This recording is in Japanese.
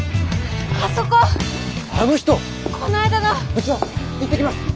部長行ってきます！